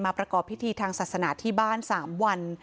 ประกอบพิธีทางศาสนาที่บ้าน๓วัน